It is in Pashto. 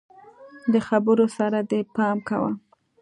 د خبرو سره دي پام کوه!